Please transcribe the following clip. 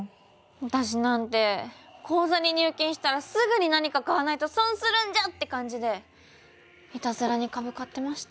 私なんて口座に入金したらすぐに何か買わないと損するんじゃ⁉って感じでいたずらに株買ってました。